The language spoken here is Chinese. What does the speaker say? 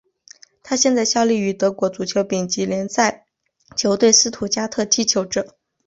他现在效力于德国足球丙级联赛球队斯图加特踢球者。